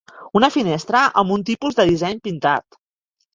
Una finestra amb un tipus de disseny pintat